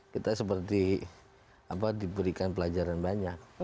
kita seperti diberikan pelajaran banyak